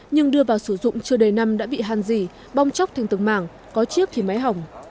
nhưng đưa vào sử dụng chưa đầy năm đã bị hàn dỉ bong chóc thành từng mảng có chiếc thì máy hỏng